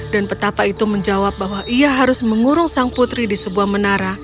dan petapa itu menjawab bahwa ia harus mengurung sang putri di sebuah menara